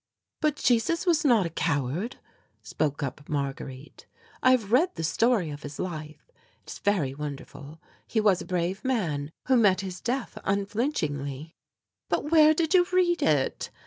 "But Jesus was not a coward," spoke up Marguerite. "I have read the story of his life; it is very wonderful; he was a brave man, who met his death unflinchingly." "But where did you read it?"